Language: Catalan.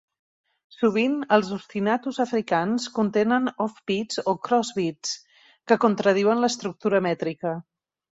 Sovint, els ostinatos africans contenen offbeats o cross-beats, que contradiuen l'estructura mètrica.